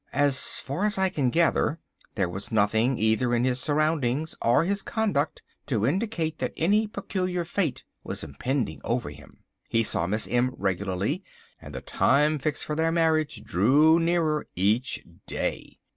As far as I can gather there was nothing either in his surroundings or his conduct to indicate that any peculiar fate was impending over him. He saw Miss M regularly, and the time fixed for their marriage drew nearer each day."